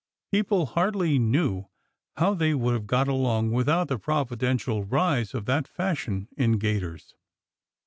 People hardly knew how they would have got along without the providential rise of that fashion in gaiters.